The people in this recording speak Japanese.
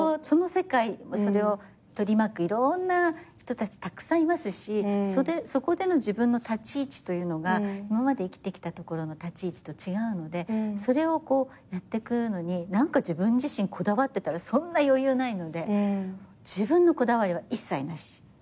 その世界を取り巻くいろんな人たちたくさんいますしそこでの自分の立ち位置というのが今まで生きてきたところの立ち位置と違うのでそれをやっていくのに自分自身こだわってたらそんな余裕ないので自分のこだわりは一切なし。